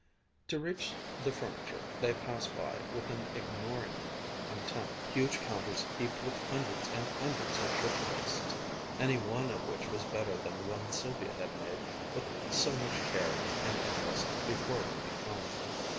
To reach the furniture, they passed by, with an ignoring contempt, huge counters heaped with hundreds and hundreds of shirt waists, any one of which was better than the one Sylvia had made with so much care and interest before leaving home.